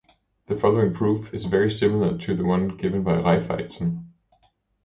The following proof is very similar to one given by Raifaizen.